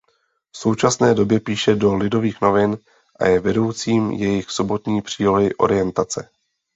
V současné době píše do Lidových novin a je vedoucím jejich sobotní přílohy "Orientace".